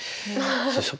そうでしょ？